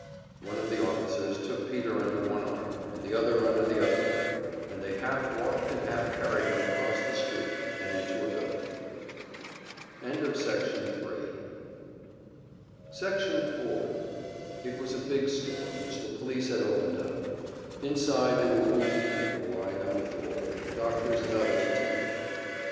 One of the officers took Peter under one arm, and the other under the other arm, and they half walked and half carried him across the street and into a building. Section 4 It was a big store which the police had opened up. Inside there were wounded people lying on the floor, with doctors and others attending them.